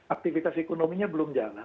aktivitas ekonominya belum jalan